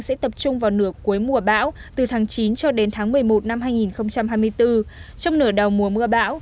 sẽ tập trung vào nửa cuối mùa bão từ tháng chín cho đến tháng một mươi một năm hai nghìn hai mươi bốn trong nửa đầu mùa mưa bão